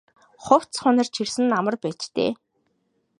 Хувцас хунар чирсэн нь амар байж дээ.